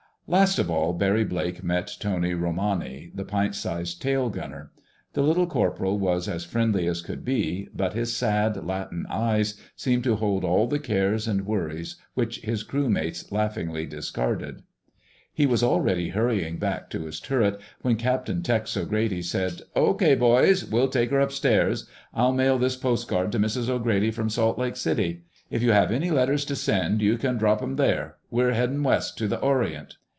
Last of all, Barry Blake met Tony Romani, the pint sized tail gunner. The little corporal was as friendly as could be, but his sad, Latin eyes seemed to hold all the cares and worries which his crew mates laughingly discarded. He was already hurrying back to his turret when Captain Tex O'Grady said, "Okay, boys! We'll take her upstairs! I'll mail this postcard to Mrs. O'Grady from Salt Lake City. If you have any letters to send you can drop them there. We're heading west to the Orient."